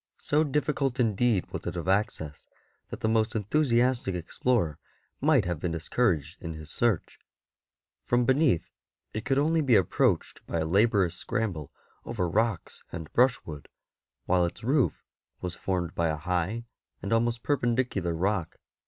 So difficult indeed was it of access that the most enthusiastic explorer might have been discouraged in his search. From ST. BENEDICT 33 beneath it could only be approached by a laborious scramble over rocks and brush wood, while its roof was formed by a high and almost perpendicular rock.